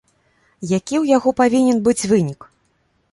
Які ў яго павінен быць вынік?